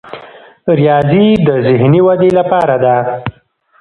ریاضي د ذهني ودې لپاره ده.